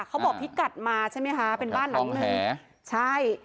เขาบอกพิกัดมาใช่ไหมคะเป็นบ้านหลังหนึ่งใช่